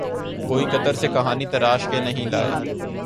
کوئی قطر سے کہانی تراش کے نہیں لائے۔